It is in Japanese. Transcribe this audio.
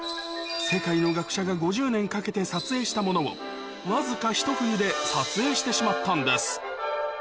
世界の学者が５０年かけて撮影したものを、僅か一冬で撮影してしまったんです。